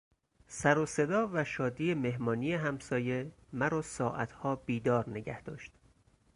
سروصدا و شادی مهمانی همسایه مرا ساعتها بیدار نگهداشت.